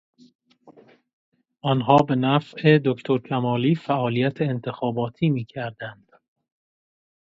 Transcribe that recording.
آنها به نفع دکتر کمالی فعالیت انتخاباتی میکردند.